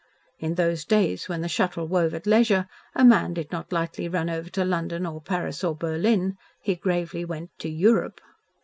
In those days when the Shuttle wove at leisure, a man did not lightly run over to London, or Paris, or Berlin, he gravely went to "Europe."